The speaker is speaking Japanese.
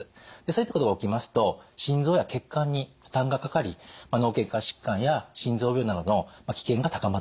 そういったことが起きますと心臓や血管に負担がかかり脳血管疾患や心臓病などの危険が高まってしまうということなのです。